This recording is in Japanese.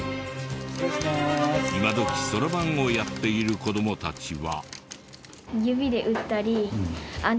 今どきそろばんをやっている子どもたちは。